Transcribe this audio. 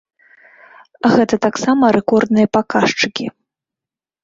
Гэта таксама рэкордныя паказчыкі.